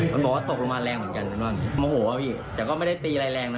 มันบอกว่าตกลงมาแรงเหมือนกันโมโหพี่แต่ก็ไม่ได้ตีอะไรแรงนะ